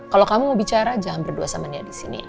kalau kamu mau bicara jangan berdua sama nia disini